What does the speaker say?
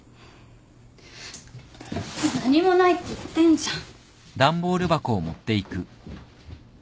何もないって言ってんじゃん。